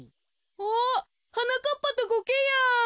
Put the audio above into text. おっはなかっぱとコケヤン。